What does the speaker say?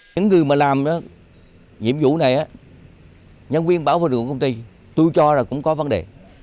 những người mà làm nhiệm vụ này nhân viên bảo vệ của công ty tôi cho là cũng có vấn đề